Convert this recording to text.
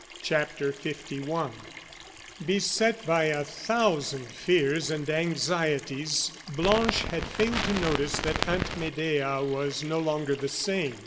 CHAPTER LI Beset by a thousand fears and anxieties, Blanche had failed to notice that Aunt Medea was no longer the same.